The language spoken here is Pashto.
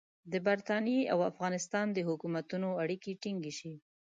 د برټانیې او افغانستان د حکومتونو اړیکې ټینګې شي.